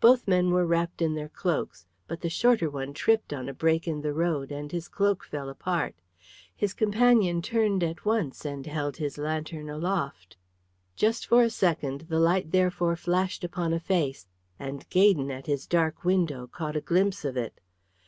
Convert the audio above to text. Both men were wrapped in their cloaks, but the shorter one tripped on a break in the road and his cloak fell apart. His companion turned at once and held his lantern aloft. Just for a second the light therefore flashed upon a face, and Gaydon at his dark window caught a glimpse of it.